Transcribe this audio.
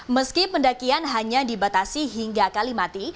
meski pendakian hanya dibatasi hingga kalimati